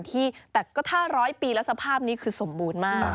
แต่ก็ถ้าร้อยปีแล้วสภาพนี้คือสมบูรณ์มาก